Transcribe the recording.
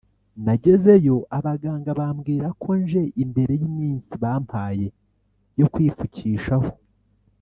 "Nagezeyo abaganga bambwira ko nje imbere y’iminsi bampaye yo kwipfukishaho